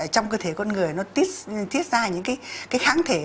trong cơ thể con người nó tiết ra những cái kháng thể